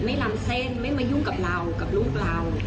ลำเส้นไม่มายุ่งกับเรากับลูกเรา